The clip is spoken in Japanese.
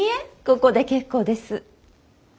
ここで結構です。